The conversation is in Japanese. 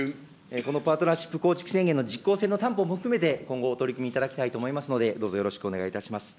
このパートナーシップ構築宣言の実効性の担保も含めて、今後、お取り組みいただきたいと思いますので、どうぞよろしくお願いいたします。